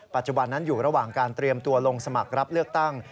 ปัจจุบันนั้นอยู่ระหว่างการเตรียมตัวลงสมัครรับเลือกตั้ง